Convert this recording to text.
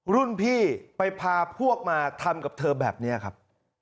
รุ่นพี่ไปพาพวกมาทำกับเธอแบบนี้ครับ